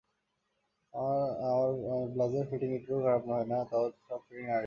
আর আমার ব্লাউজের ফিটিং একটুকুও খারাপ হয় না, তোর সব ফিটিং নাড়িয়ে দিবো।